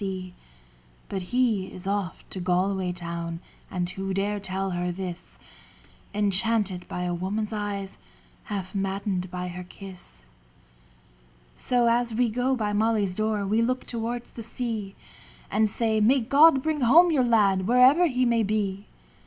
5(5 THE BANSHEE 57 But he is off to Galway town, (And who dare tell her this ?) Enchanted by a woman's eyes, Half maddened by her kiss. So as we go by Molly's door We look towards the sea, And say, ' May God bring home your lad, Wherever he may be.'